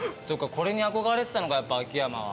これに憧れてたのかやっぱ秋山は。